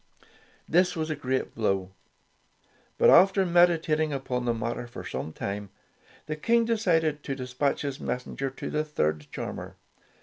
This was a great blow, but after medi tating upon the matter for some time, the King decided to despatch his messenger to the third charmer.